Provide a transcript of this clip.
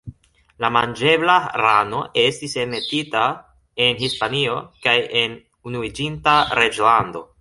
La manĝebla rano estis enmetita en Hispanio kaj en Unuiĝinta Reĝlando.